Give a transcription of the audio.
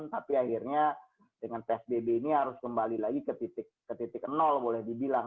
tapi akhirnya dengan psbb ini harus kembali lagi ke titik boleh dibilang